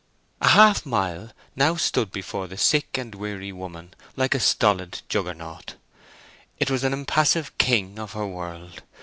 The half mile stood now before the sick and weary woman like a stolid Juggernaut. It was an impassive King of her world.